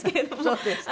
そうですか。